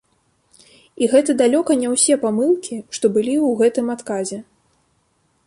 І гэта далёка не ўсе памылкі, што былі ў гэтым адказе.